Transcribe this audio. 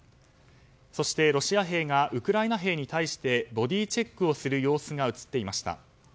そして、ロシア兵がウクライナ兵に対してボディーチェックをする様子が映っていました。